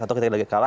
atau kita lagi kalah